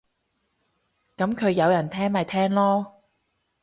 噉佢有人聽咪聽囉